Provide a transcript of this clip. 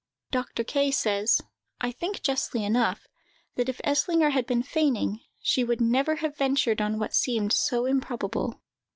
Dr. K. says, I think justly enough, that if Eslinger had been feigning, she never would have ventured on what seemed so improbable.